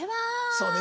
そうね。